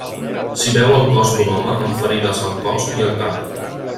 S'hi veu el cos d'un home amb ferides al cos i al cap.